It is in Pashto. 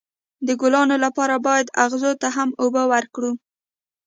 د ګلانو لپاره باید اغزو ته هم اوبه ورکړو.